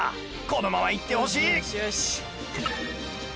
このままいってほしい